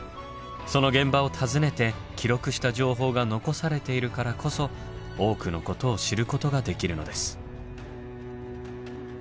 その現場を訪ねて記録した情報が残されているからこそ多くのことを知ることができるのです。